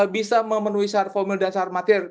bisa memenuhi saraf formule dan saraf materi